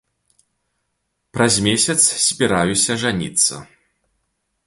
Праз месяц збіраюся жаніцца.